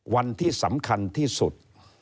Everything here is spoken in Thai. วันที่สำคัญที่สุด